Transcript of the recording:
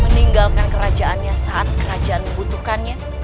meninggalkan kerajaannya saat kerajaan membutuhkannya